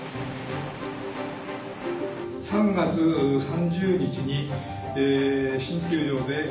３月３０日に新球場で。